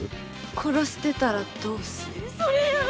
殺してたらどうする？